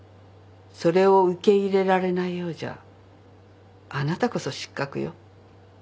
それを受け入れられないようじゃあなたこそ失格よ。